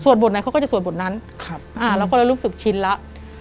สวดบทไหนเขาก็จะสวดบทนั้นครับอ่าแล้วก็เรารู้สึกชินแล้ว